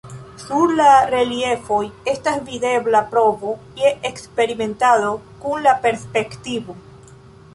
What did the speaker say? Sur la reliefoj estas videbla provo je eksperimentado kun la perspektivo.